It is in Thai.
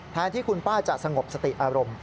แทนที่คุณป้าจะสงบสติอารมณ์